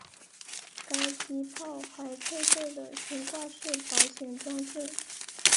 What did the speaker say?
该机炮还配备了悬挂式保险装置。